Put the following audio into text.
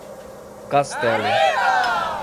Castelo